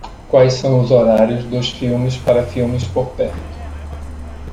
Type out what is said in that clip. Quais são os horários dos filmes para filmes por perto?